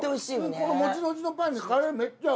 このもちもちのパンにカレーめっちゃ合う。